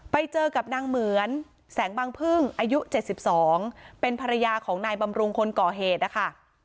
ไปเจอกับนางเหมือนแสงบังพึ่งอายุ๗๒เป็นภรรยาของนายบำรุงคนก่อเหตุนะคะ